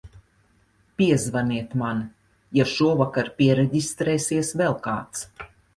Piezvaniet man, ja šovakar piereģistrēsies vēl kāds.